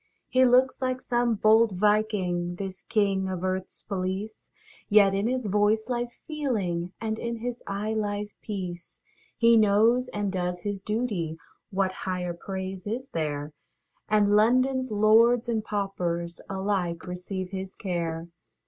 He looks like some bold Viking, This king of earthâs policeâ Yet in his voice lies feeling, And in his eye lies peace; He knows and does his dutyâ (What higher praise is there?) And Londonâs lords and paupers Alike receive his care.